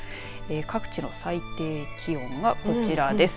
各地の最低気温がこちらです。